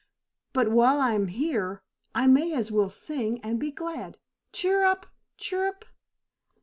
But while I am here, I may as well sing and be glad. Cheer up! chirrup!"